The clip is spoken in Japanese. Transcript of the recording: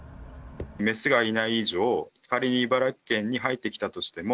雌がいない以上、仮に茨城県に入ってきたとしても、